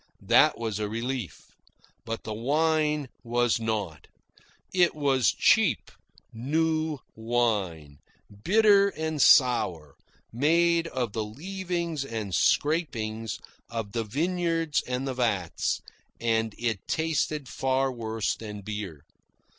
That was a relief. But the wine was not. It was cheap, new wine, bitter and sour, made of the leavings and scrapings of the vineyards and the vats, and it tasted far worse than beer.